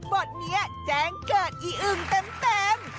บทแม่แจริมเจ้าเกิดอีอึงเต็ม